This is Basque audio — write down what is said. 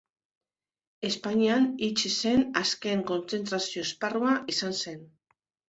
Espainian itxi zen azken kontzentrazio-esparrua izan zen.